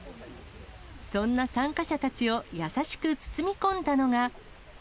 そんな参加者たちを優しく包み込んだのが。